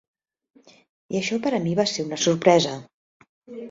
I això per a mi va ser una sorpresa.